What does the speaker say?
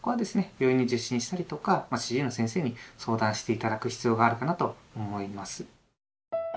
病院に受診したりとか主治医の先生に相談して頂く必要があるかなと思います。